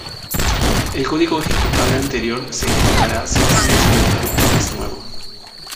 El código ejecutable anterior se ejecutará sin cambios en el producto más nuevo.